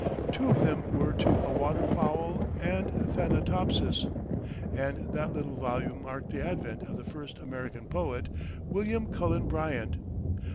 Two of them were "To a Waterfowl" and "Thanatopsis," and that little volume marked the advent of the first American poet William Cullen Bryant.